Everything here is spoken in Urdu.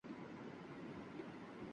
براہ مہربانی آپ میری تصویر اتار سکتے